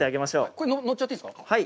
これ、乗っちゃっていいですか？